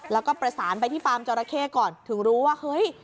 แล้วก็ประสานไปที่ฟาร์มจอราเข้ก่อนถึงรู้ว่าเฮ้ย